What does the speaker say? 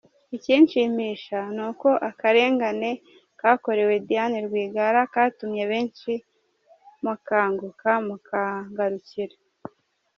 ikinshimisha ni uko akarengane kakorewe Diane Rwigara katumye benshi mukanguka mukangarukira!